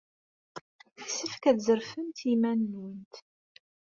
Yessefk ad tzerfemt i yiman-nwent.